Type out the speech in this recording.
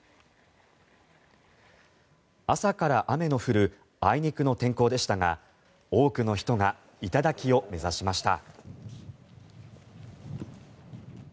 朝から雨の降るあいにくの天候でしたが多くの人が頂を目指しました。